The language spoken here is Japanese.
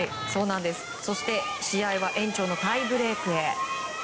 そして試合は延長のタイブレークへ。